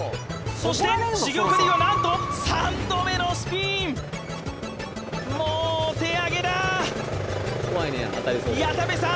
そして重岡Ｄはなんと３度目のスピンもうお手上げだ矢田部さん